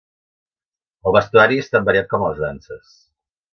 El vestuari és tan variat com les danses.